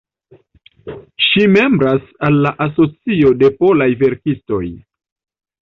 Ŝi membras al la Asocio de Polaj Verkistoj.